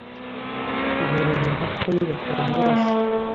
borora inkoko bibagoye bose